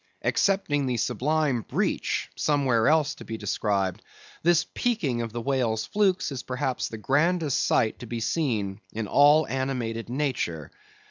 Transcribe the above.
Excepting the sublime breach—somewhere else to be described—this peaking of the whale's flukes is perhaps the grandest sight to be seen in all animated nature.